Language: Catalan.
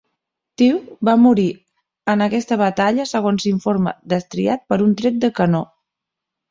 Tew va morir en aquesta batalla, segons s'informa, destriat per un tret de canó.